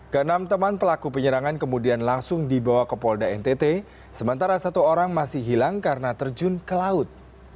ke enam teman pelaku penyerangan kemudian langsung dibawa ke polda ntt sementara satu orang masih hilang karena terjun ke laut